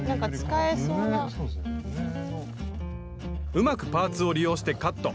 うまくパーツを利用してカット。